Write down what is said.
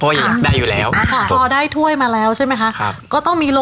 โอเคเลยไหมคะตอนนั้น